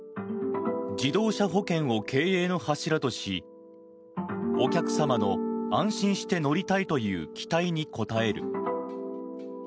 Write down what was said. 自動車保険を経営の柱としお客様の安心して乗りたいという期待に応える。